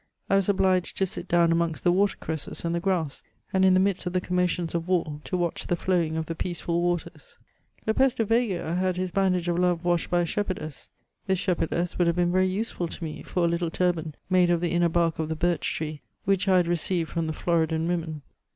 I was obliged to sit down amongst the water cresses and the grass, and, in the midst of the com motions of war, to watch the flowing of the peaceful waters. Lopez deVega had his bandage of love washed by a shepherdess ; this shepherdess would have been very usefid to me f(»r a little turban made of the inner bark of the birch tree, which I had received fix>m the Floridan women.